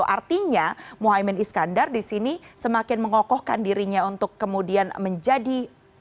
artinya mohaimin iskandar di sini semakin mengokohkan dirinya untuk kemudian menjadi